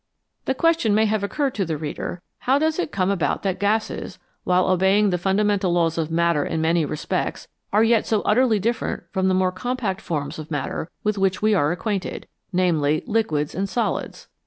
The question may have occurred to the reader how does it come about that gases, while obeying the fundamental laws of matter in many respects, are yet so utterly different from the more compact forms of matter with which we are acquainted namely, liquids and solids